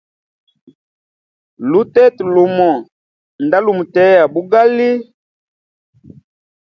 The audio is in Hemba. Lutete lumo nda lumutea bugali.